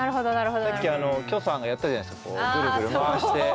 さっき許さんがやったじゃないですかこうぐるぐる回して。